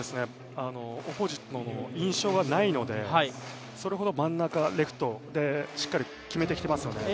オポジットの印象がないのでそれほど真ん中、レフトでしっかり決めてきてますよね。